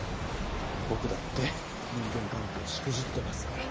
僕だって人間関係しくじってますから。